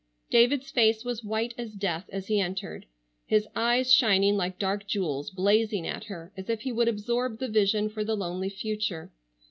David's face was white as death as he entered, his eyes shining like dark jewels blazing at her as if he would absorb the vision for the lonely future.